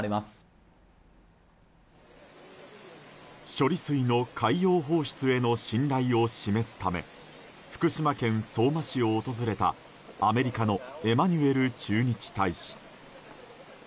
処理水の海洋放出への信頼を示すため福島県相馬市を訪れたアメリカのエマニュエル駐日大使。